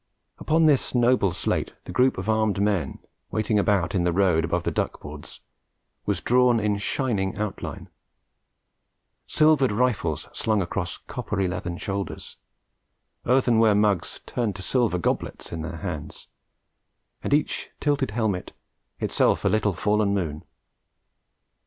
Upon this noble slate the group of armed men, waiting about in the road above the duck boards, was drawn in shining outline; silvered rifles slung across coppery leathern shoulders; earthenware mugs turned to silver goblets in their hands, and each tilted helmet itself a little fallen moon.